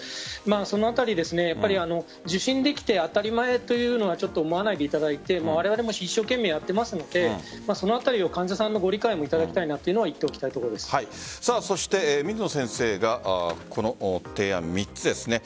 その辺り受診できて当たり前というのは思わないでいただいてわれわれも一生懸命やってますのでそのあたりを患者さんのご理解も頂きたいなというのはそして水野先生の提言３つです。